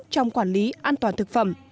trong quản lý an toàn thực phẩm